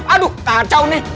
aduh kacau nih